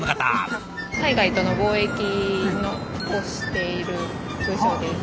海外との貿易をしている部署です。